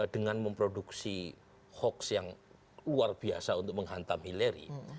dengan memproduksi hoax yang luar biasa untuk menghantam hillary